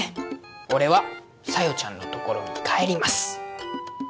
俺は小夜ちゃんのところに帰ります